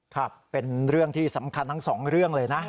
ครับเป็นเรื่องที่สำคัญทั้งสองเรื่องเลยนะ